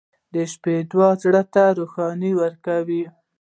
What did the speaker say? • د شپې دعا زړه ته روښنایي ورکوي.